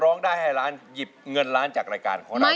ร้องได้ให้ล้านหยิบเงินล้านจากรายการของเรา